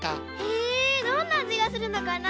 へぇどんなあじがするのかな？